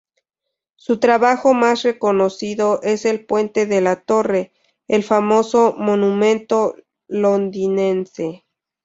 Su trabajo más reconocido es el Puente de la Torre, el famoso monumento londinense.